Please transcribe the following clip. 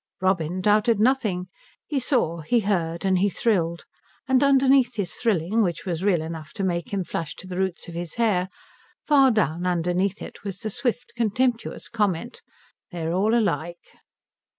Robin doubted nothing. He saw, he heard, and he thrilled; and underneath his thrilling, which was real enough to make him flush to the roots of his hair, far down underneath it was the swift contemptuous comment, "They're all alike."